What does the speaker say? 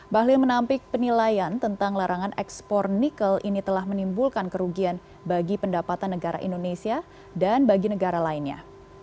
bahlil menampik penilaian tentang larangan ekspor nikel ini telah menimbulkan kerugian bagi pendapatan negara indonesia dan bagi negara lainnya